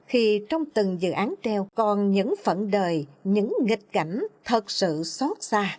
khi trong từng dự án treo còn những phận đời những nghịch cảnh thật sự xót xa